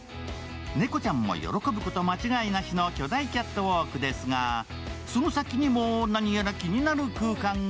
猫ちゃんも喜ぶこと間違いなしの巨大キャットウォークですが、その先にも何やら気になる空間が。